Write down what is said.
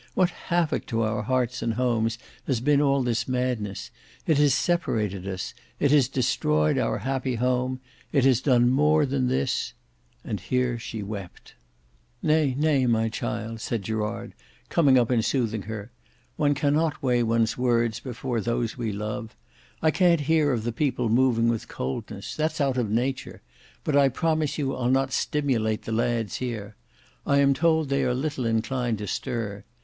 What havoc to our hearts and homes has been all this madness! It has separated us; it has destroyed our happy home; it has done more than this—" and here she wept. "Nay, nay, my child," said Gerard, coming up and soothing her; "one cannot weigh one's words before those we love. I can't hear of the people moving with coldness—that's out of nature; but I promise you I'll not stimulate the lads here. I am told they are little inclined to stir.